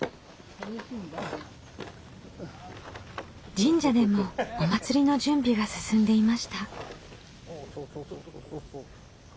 神社でもお祭りの準備が進んでいました。